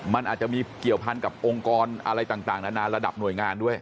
มันอาจจะมีเกี่ยวพันกับองค์กรอะไรต่างนานาระดับหน่วยงานด้วย